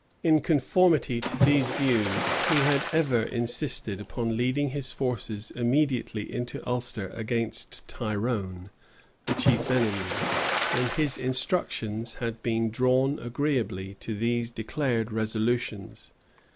[] In conformity to these views, he had ever insisted upon leading his forces immediately into Ulster against Tyrone, the chief enemy; and his instructions had been drawn agreeably to these his declared resolutions.